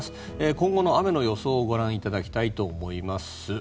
今後の雨の予想をご覧いただきたいと思います。